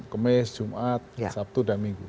kemis jumat sabtu dan minggu